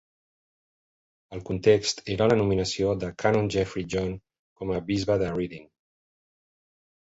El context era la nominació de Canon Jeffrey John com a bisbe de Reading.